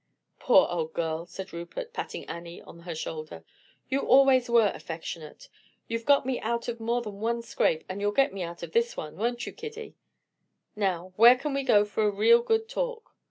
"Poor old girl," said Rupert, patting Annie on her shoulder; "you always were affectionate. You've got me out of more than one scrape, and you'll get me out of this one; won't you, kiddy? Now, where can we go for a real good talk?"